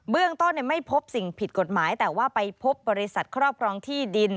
เรื่องต้นไม่พบสิ่งผิดกฎหมายแต่ว่าไปพบบริษัทครอบครองที่ดิน